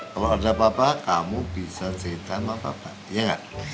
kalau ada papa kamu bisa cerita sama papa iya enggak